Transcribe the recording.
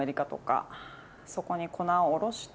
そこに。